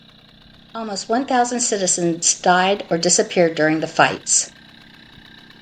Almost one thousand citizens died or disappeared during the fights.